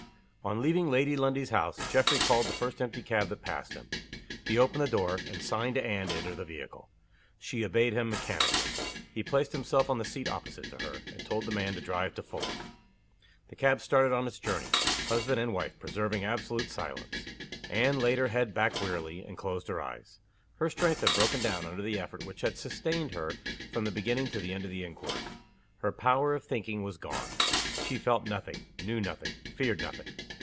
ON leaving Lady Lundie's house, Geoffrey called the first empty cab that passed him. He opened the door, and signed to Anne to enter the vehicle. She obeyed him mechanically. He placed himself on the seat opposite to her, and told the man to drive to Fulham. The cab started on its journey; husband and wife preserving absolute silence. Anne laid her head back wearily, and closed her eyes. Her strength had broken down under the effort which had sustained her from the beginning to the end of the inquiry. Her power of thinking was gone. She felt nothing, knew nothing, feared nothing.